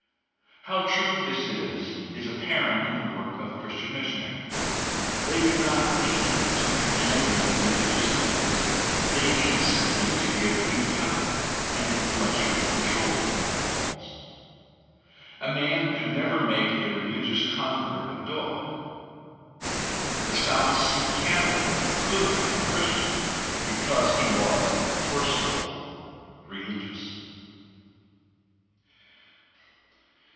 How true this is, is apparent in the work of Christian missionaries. They do not need to engender the religious impulse — they need simply to give new content and intel lectual control to that impulse. A man could never make a religious convert of a dog. The South Sea cannibal could become a Christian because he was first of all religious.